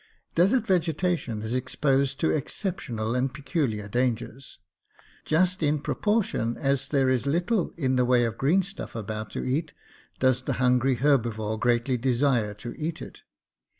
Desert vegetation is exposed to exceptional and peculiar dangers. Just in proportion as there is PRICKLY PEARS. 225 little in the way of greenstuff about to eat does the hungry herbivore greatly desire to eat it.